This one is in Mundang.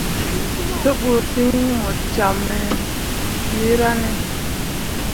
Te bu fin mu camme wira ne.